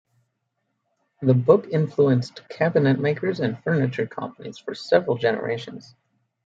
The book influenced cabinet makers and furniture companies for several generations.